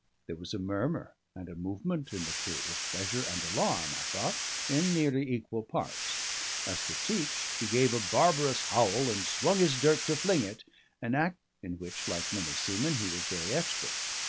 There was a murmur and a movement in the crew, of pleasure and alarm, I thought, in nearly equal parts. As for Teach, he gave a barbarous howl, and swung his dirk to fling it, an art in which (like many seamen) he was very expert.